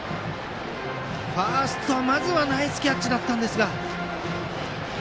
ファースト、まずはナイスキャッチでしたが。